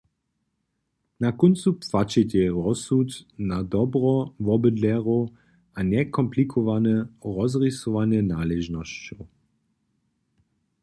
Na kóncu płaćitej rozsud na dobro wobydlerjow a njekomplikowane rozrisanje naležnosćow.